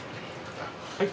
はい。